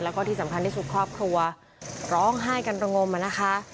แล้วก็ที่สำคัญที่สุดครอบครัวร้องไห้กันระงมมานะคะ